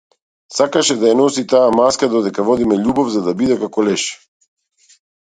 Сакаше да ја носи таа маска додека водиме љубов, за да биде како леш.